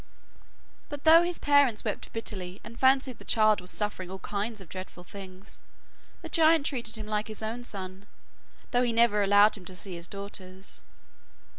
But though his parents wept bitterly and fancied the child was suffering all kinds of dreadful things, the giant treated him like his own son, though he never allowed him to see his daughters.